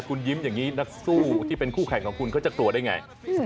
คุณยิ้มอย่างนี้นักสู้ที่เป็นคู่แข่งของคุณเขาจะกลัวได้ไง